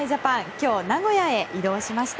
今日、名古屋へ移動しました。